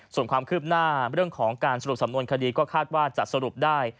ส่วนความคืบหน้าเรื่องของการสรุปสำนวนคดีก็คาดว่าจะสรุปได้